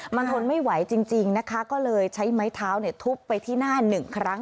มันทนไม่ไหวจริงนะคะก็เลยใช้ไม้เท้าทุบไปที่หน้าหนึ่งครั้ง